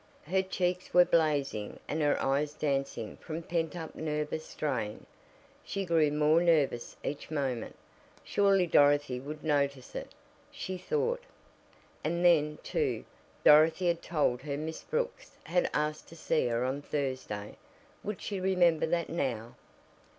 Her cheeks were blazing and her eyes dancing from pent up nervous strain. She grew more nervous each moment. Surely Dorothy would notice it, she thought. And then, too, Dorothy had told her Miss Brooks had asked to see her on Thursday. Would she remember that now?